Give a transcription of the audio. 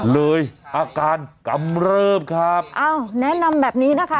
อาการกำเริบครับอ้าวแนะนำแบบนี้นะคะ